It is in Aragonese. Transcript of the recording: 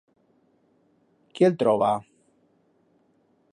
Quí el troba?